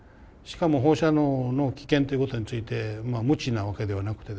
しかも放射能の危険ということについて無知なわけではなくてですね